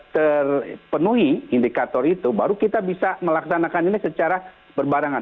terpenuhi indikator itu baru kita bisa melaksanakan ini secara berbarangan